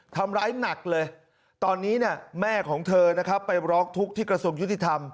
ทำร้ายหนักเลยตอนนี้แม่ของเธอไปร้องทุกข์ที่กระทรวงยุทธิธรรม